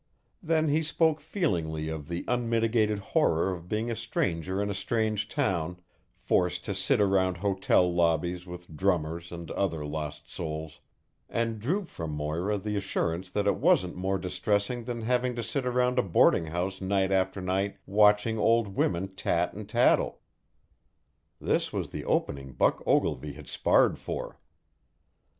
Then he spoke feelingly of the unmitigated horror of being a stranger in a strange town, forced to sit around hotel lobbies with drummers and other lost souls, and drew from Moira the assurance that it wasn't more distressing than having to sit around a boardinghouse night after night watching old women tat and tattle. This was the opening Buck Ogilvy had sparred for.